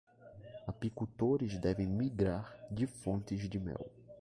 Apicultores devem migrar de fontes de mel